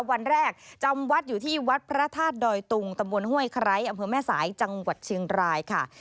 วันแรกจำวัดอยู่ที่วัดพระธาตุดอยตุงตำบลห้วยไคร้อำเภอแม่สายจังหวัดเชียงรายค่ะ